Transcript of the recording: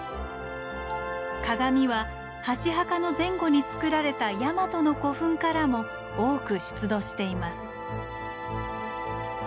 鏡は箸墓の前後につくられたヤマトの古墳からも多く出土しています。